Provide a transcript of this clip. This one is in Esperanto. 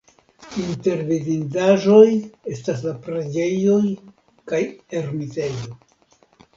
Inter vidindaĵoj estas la preĝejoj kaj ermitejo.